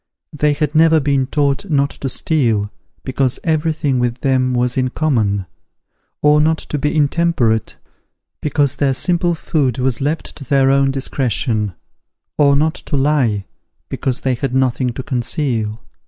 They had never been taught not to steal, because every thing with them was in common: or not to be intemperate, because their simple food was left to their own discretion; or not to lie, because they had nothing to conceal.